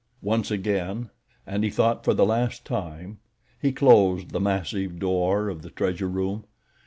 Once again, and, he thought, for the last time, he closed the massive door of the treasure room.